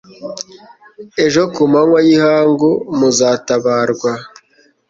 ejo ku manywa y'ihangu muzatabarwa